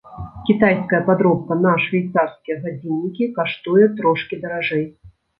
Кітайская падробка на швейцарскія гадзіннікі каштуе трошкі даражэй.